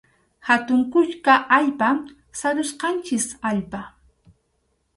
Hatun kuska allpa, sarusqanchik allpa.